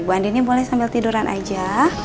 bu andini boleh sambil tiduran aja